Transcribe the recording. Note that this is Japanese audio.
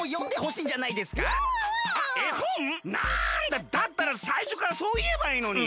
だったらさいしょからそういえばいいのに。